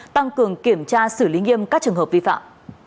tăng cường kiểm tra xử lý nghiêm các trường hợp vi phạm